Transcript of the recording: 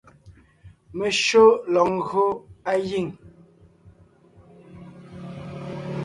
Meshÿó lɔg ńgÿo á giŋ.